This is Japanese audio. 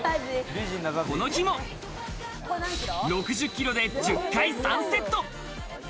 この日も、６０キロで１０回３セット。